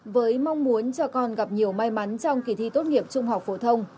với mong muốn cho con gặp nhiều may mắn trong kỳ thi tốt nghiệp trung học phổ thông